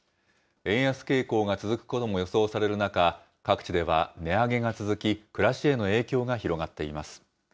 円安傾向が続くことも予想される中、各地では値上げが続き、暮らしへの影響が広がっています。